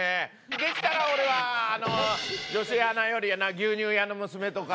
できたら俺はあの女子アナより牛乳屋の娘とか。